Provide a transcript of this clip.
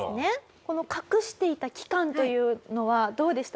この隠していた期間というのはどうでした？